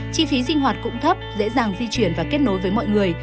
chi phí sinh hoạt cũng thấp dễ dàng di chuyển và kết nối với mọi người